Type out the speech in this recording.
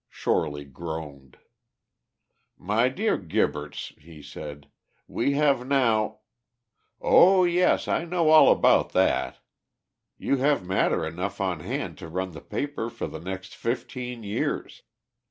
Shorely groaned. "My dear Gibberts," he said, "we have now " "Oh yes, I know all about that. You have matter enough on hand to run the paper for the next fifteen years.